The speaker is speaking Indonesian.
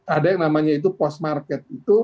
ada yang namanya itu post market itu